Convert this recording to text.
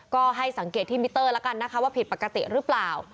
ก็ให้สังเกตที่มิเตอร์แล้วกันนะคะว่าผิดปกติหรือเปล่า